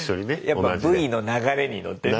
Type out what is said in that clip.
やっぱＶの流れに乗ってね。